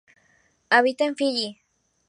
Habita en Fiyi.